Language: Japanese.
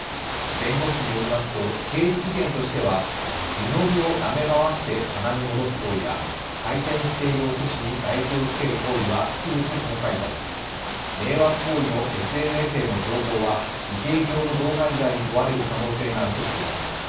弁護士によりますと刑事事件としては湯飲みをなめ回して棚に戻す行為や回転しているおすしに唾液をつける行為は器物損壊罪迷惑行為のＳＮＳへの投稿は偽計業務妨害罪に問われる可能性があるとしています。